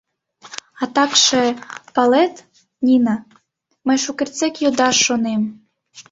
— А такше, палет, Нина, мый шукертсек йодаш шонем.